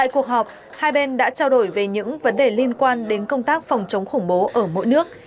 chào đổi về những vấn đề liên quan đến công tác phòng chống khủng bố ở mỗi nước